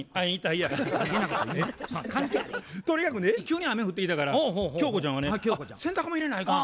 とにかくね急に雨降ってきたら京子ちゃんはね「洗濯物入れないかん」。